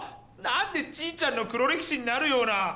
なんでちちゃんの黒歴史になるような。